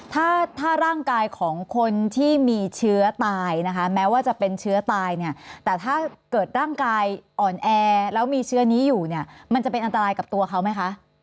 ถ้าถ้าร่างกายของคนที่มีเชื้อตายนะคะแม้ว่าจะเป็นเชื้อตายเนี่ยแต่ถ้าเกิดร่างกายอ่อนแอแล้วมีเชื้อนี้อยู่เนี่ยมันจะเป็นอันตรายกับตัวเขาไหมคะ